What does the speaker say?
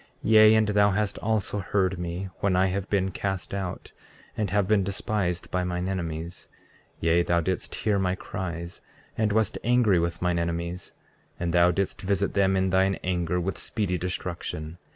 33:10 Yea, and thou hast also heard me when I have been cast out and have been despised by mine enemies; yea, thou didst hear my cries, and wast angry with mine enemies, and thou didst visit them in thine anger with speedy destruction.